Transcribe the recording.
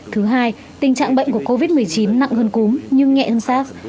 thứ hai tình trạng bệnh của covid một mươi chín nặng hơn cúm nhưng nhẹ hơn sars